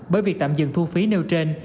bởi việc tạm dừng thu phí nêu trên